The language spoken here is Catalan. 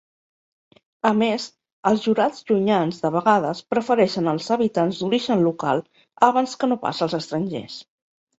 A més, els jurats llunyans de vegades prefereixen els habitants d'"origen local" abans que no pas els estrangers.